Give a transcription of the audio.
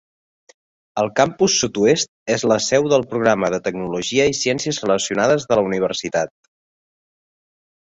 El campus sud-oest és la seu del programa de Tecnologia i Ciències Relacionades de la universitat.